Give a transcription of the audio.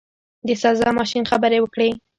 د سزا ماشین خبرې وکړې.